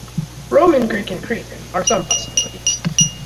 Roman, Greek and Cretan are some possibilities.